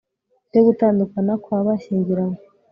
yo gutandukana kwa bashyingiranywe